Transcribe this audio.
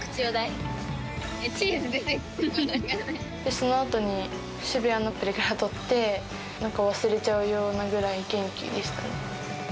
そのあとに渋谷でプリクラ撮って、なんか忘れちゃうようなくらい元気でしたね。